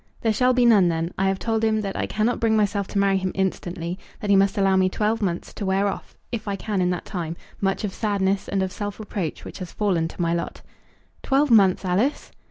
"There shall be none, then. I have told him that I cannot bring myself to marry him instantly; that he must allow me twelve months to wear off, if I can in that time, much of sadness and of self reproach which has fallen to my lot." "Twelve months, Alice?"